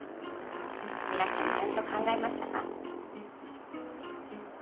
皆さんちゃんと考えましたか？